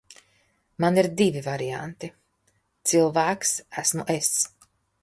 Man ir divi varianti. Cilvēks esmu es.